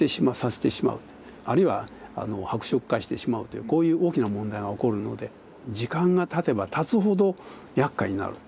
あるいは白色化してしまうというこういう大きな問題が起こるので時間がたてばたつほどやっかいになる。